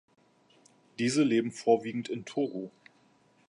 Diese leben vorwiegend in Togo.